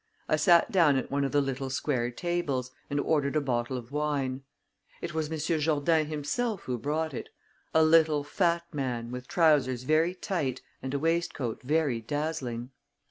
I sat down at one of the little square tables, and ordered a bottle of wine. It was Monsieur Jourdain himself who brought it: a little, fat man, with trousers very tight, and a waistcoat very dazzling.